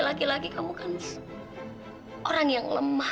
laki laki kamu kan orang yang lemah